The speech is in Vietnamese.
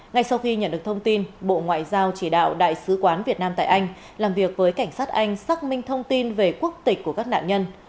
ngay sau khi nhận được thông tin bộ ngoại giao chỉ đạo đại sứ quán việt nam tại anh làm việc với cảnh sát anh xác minh thông tin về quốc tịch của các nạn nhân